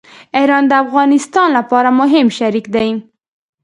ایران د افغانستان لپاره مهم شریک دی.